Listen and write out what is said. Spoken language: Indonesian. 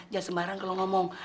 jangan sembarang kalau ngomong